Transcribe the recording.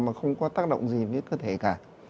mà không có tác động gì đến cơ thể cả